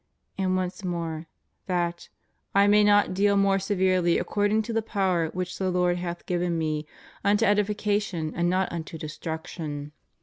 ^ And once more. That ... I may not deal more severely according to the power which the Lord hath given me, unto edification and not unto destruction.